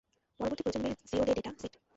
পরবর্তী প্রজন্মের zero-day data set.